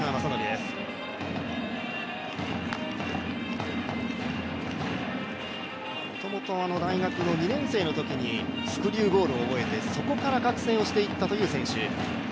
もともと大学２年生のときにスクリューボールを覚えてそこから覚醒をしていったという選手。